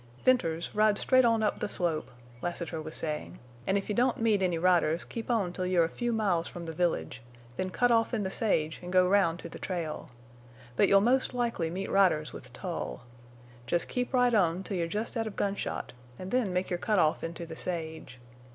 "Venters, ride straight on up the slope," Lassiter was saying, "'an if you don't meet any riders keep on till you're a few miles from the village, then cut off in the sage an' go round to the trail. But you'll most likely meet riders with Tull. Jest keep right on till you're jest out of gunshot an' then make your cut off into the sage.